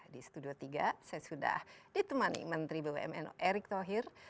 di studio tiga saya sudah ditemani menteri bumn erick thohir